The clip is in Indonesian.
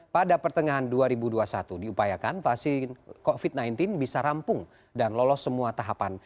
pada pertengahan dua ribu dua puluh satu diupayakan vaksin covid sembilan belas bisa rampung dan lolos semua tahapan